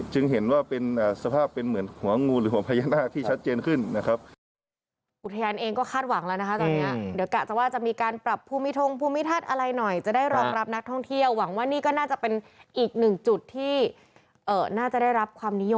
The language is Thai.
เห็นว่าเป็นสภาพเป็นเหมือนหัวงูหรือหัวพญานาคที่ชัดเจนขึ้นนะครับ